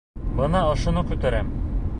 Бына ошоно күтәрәм!